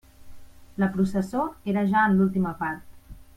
La processó era ja en l'última part.